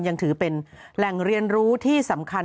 ยังถือเป็นแหล่งเรียนรู้ที่สำคัญ